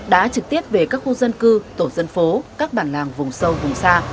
đã trực tiếp về các khu dân cư tổ dân phố các bản làng vùng sâu vùng xa